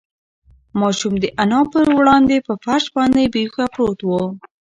ماشوم د انا په وړاندې په فرش باندې بې هوښه پروت و.